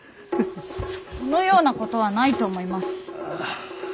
そのようなことはないと思います。